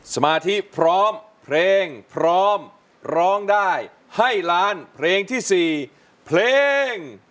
สมาธิพร้อมเพลงพร้อมร้องได้ให้ล้านเพลงที่๔มีมูลค่า๖๐๐๐๐บาท